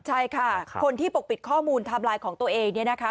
ใช่ค่ะคนที่ปกปิดข้อมูลไทม์ไลน์ของตัวเองเนี่ยนะคะ